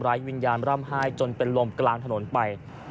วิญญาณร่ำไห้จนเป็นลมกลางถนนไป